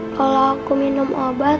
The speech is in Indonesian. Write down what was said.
kalau aku minum obat